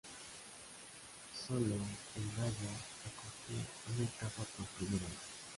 Solo Hendaya acogía una etapa por primera vez.